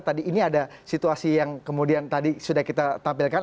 tadi ini ada situasi yang kemudian tadi sudah kita tampilkan